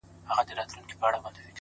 هره لاسته راوړنه له باور پیلېږي,